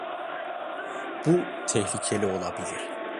Bu tehlikeli olabilir.